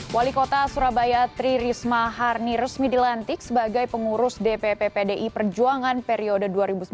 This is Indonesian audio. wali kota surabaya tri risma harni resmi dilantik sebagai pengurus dpp pdi perjuangan periode dua ribu sembilan belas dua ribu dua